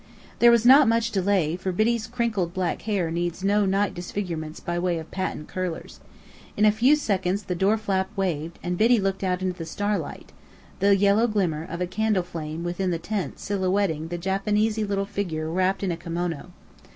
There was not much delay, for Biddy's crinkled black hair needs no night disfigurements by way of patent curlers. In a few seconds the door flap waved, and Biddy looked out into the starlight, the yellow glimmer of a candle flame within the tent silhouetting the Japanesey little figure wrapped in a kimono.